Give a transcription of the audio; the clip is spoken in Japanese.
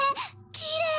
きれい！